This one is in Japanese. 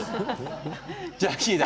ジャーキーだ。